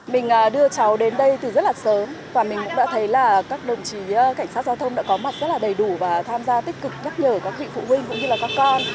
mình đưa cháu đến đây từ rất là sớm và mình cũng đã thấy là các đồng chí cảnh sát giao thông đã có mặt rất là đầy đủ và tham gia tích cực nhắc nhở các vị phụ huynh cũng như là các con